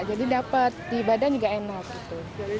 jadi dapet di badan juga enak gitu